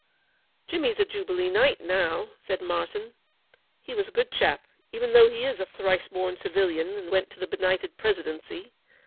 'Jimmy's a Jubilee Knight now,' said Martyn. 'He was a good chap, even though he is a thrice born civilian and went to the Benighted Presidency.